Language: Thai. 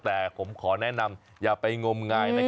แต่ผมขอแนะนำอย่าไปงมงาย